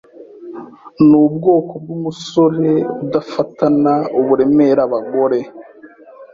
Nubwoko bwumusore udafatana uburemere abagore.